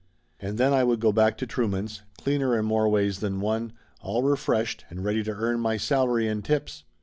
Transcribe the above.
And then I would go back to Truemans', cleaner in more ways than one, all refreshed and ready to earn my salary and tips.